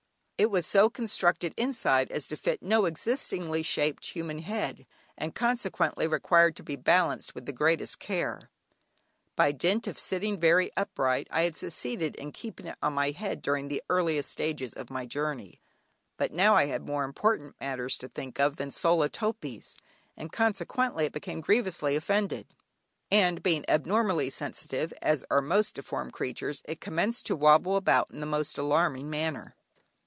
It was so constructed inside as to fit no existingly shaped human head, and consequently required to be balanced with the greatest care. By dint of sitting very upright I had succeeded in keeping it on my head during the earlier stages of my journey, but now I had more important matters to think of than sola topees, and consequently it became grievously offended, and (being abnormally sensitive, as are most deformed creatures) it commenced to wobble about in a most alarming manner.